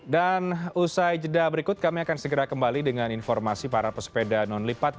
dan usai jeda berikut kami akan segera kembali dengan informasi para pesepeda non lipat